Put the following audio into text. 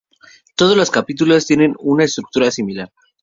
Todos los capítulos tienen una estructura similar.